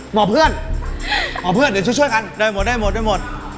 หมอเพื่อนหมอเพื่อนเดี๋ยวช่วยกันได้หมดได้หมดได้หมด